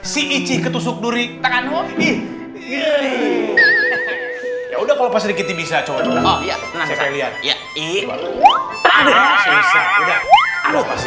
si ici ketusuk duri ya udah kalau pasir kita bisa coba lihat ya iya udah pasti